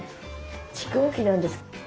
蓄音機なんです。